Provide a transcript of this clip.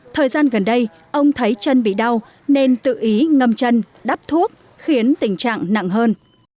thời gian gần đây ông thấy chân bị đau nên tự ý ngâm chân đắp thuốc khiến tình trạng nặng hơn